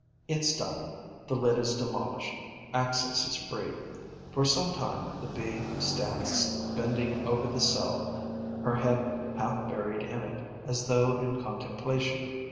It's done: the lid is demolished; access is free. For some time, the Bee stands bending over the cell, her head half buried in it, as though in contemplation.